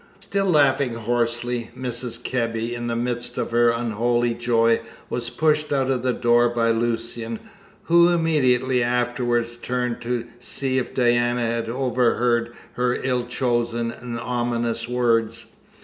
Still laughing hoarsely, Mrs. Kebby, in the midst of her unholy joy, was pushed out of the door by Lucian, who immediately afterwards turned to see if Diana had overheard her ill chosen and ominous words.